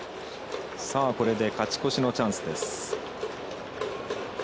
これで勝ち越しのチャンス。